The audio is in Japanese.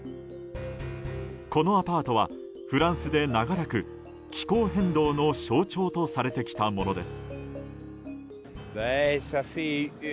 このアパートはフランスで長らく気候変動の象徴とされてきたものです。